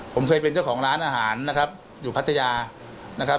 ผมเคยเป็นเจ้าของร้านอาหารนะครับอยู่พัทยานะครับ